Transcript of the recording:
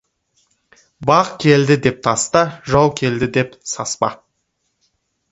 Бақ келді деп таспа, жау келді деп саспа.